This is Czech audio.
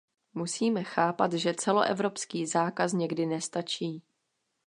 Musíme chápat, že celoevropský zákaz někdy nestačí.